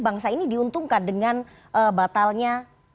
bangsa ini diuntungkan dengan batalnya